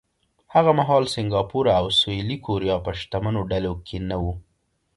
هغه مهال سینګاپور او سویلي کوریا په شتمنو ډله کې نه وو.